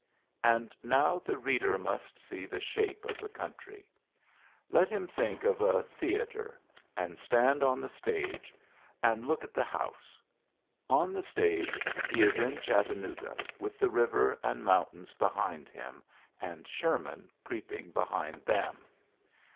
And now the reader mnst see the shape 4t Hid country. Let him think of a re, and stand on the stage, and look iiorary v^oii 88 ULYSSES S. GEANT at the house. On the stage he is Chattanooga^ with the river and mow tains behind him, and Sherman creepi behind them.